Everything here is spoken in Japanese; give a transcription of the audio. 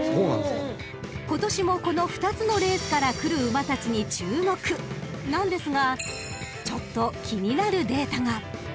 ［今年もこの２つのレースから来る馬たちに注目なんですがちょっと気になるデータが］